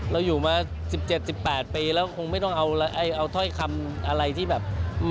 เราอยู่มา๑๗๑๘ปีแล้วคงไม่ต้องเอาถ้อยคำอะไรที่แบบ